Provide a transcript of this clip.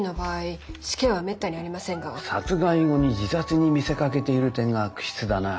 殺害後に自殺に見せかけている点が悪質だなあ。